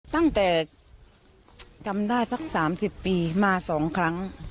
ตั้งแต่จำได้สัก๓๐ปีมา๒ครั้ง